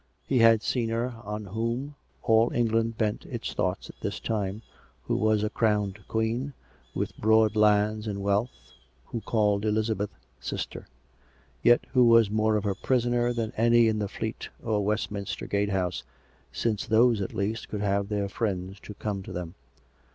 He had seen her on whom all England bent its thoughts at this time, who was a crowned Queen, with broad lands and wealth, who called Elizabeth " sis ter "; yet who was more of a prisoner than any in the Fleet or Westminster Gatehouse, since those at least could have their friends to come to them.